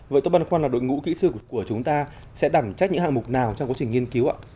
vậy tôi băn khoăn là đội ngũ kỹ sư của chúng ta sẽ đảm trách những hạng mục nào trong quá trình nghiên cứu ạ